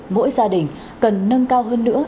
mỗi gia đình cần nâng cao hơn nữa